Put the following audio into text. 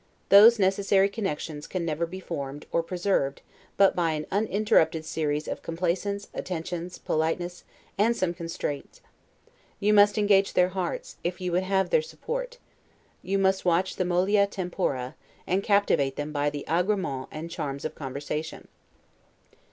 Those necessary connections can never be formed, or preserved, but by an uninterrupted series of complaisance, attentions, politeness, and some constraint. You must engage their hearts, if you would have their support; you must watch the 'mollia tempora', and captivate them by the 'agremens' and charms of conversation.